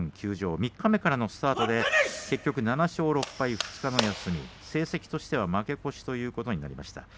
三日目からのスタートで結局７勝６敗２日の休み成績としては負け越しということになりました。